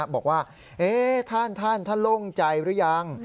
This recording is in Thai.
บอกว่าท่านท่านโล่งใจหรือยัง